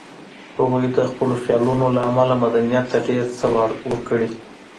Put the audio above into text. هغوی د خپلو خیالونو له امله مدنیت ته ډېر څه ورکړي